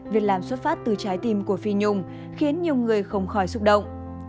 việc làm xuất phát từ trái tim của phi nhung khiến nhiều người không khỏi xúc động